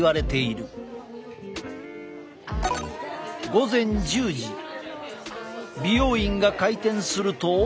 午前１０時美容院が開店すると。